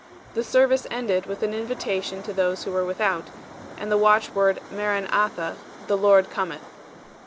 The service ended with an invitation to those who were without, and the watch word Maran atha, "the Lord cometh."